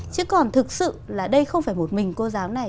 chứ còn thực sự là đây không phải một mình cô giáo này